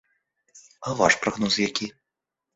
А ваш прагноз які?